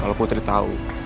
kalau putri tau